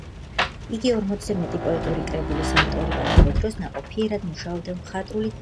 იგი ორმოცზე მეტი პოეტური კრებულის ავტორია, ამავე დროს ნაყოფიერად მუშაობდა მხატვრული თარგმანის დარგშიც.